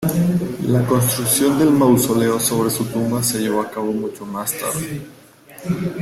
La construcción del mausoleo sobre su tumba se llevó a cabo mucho más tarde.